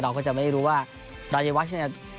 ก็จะไม่รู้ว่ารายวัชเนี่ย